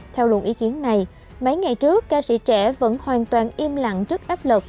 theo luận ý kiến này mấy ngày trước ca sĩ trẻ vẫn hoàn toàn im lặng trước áp lực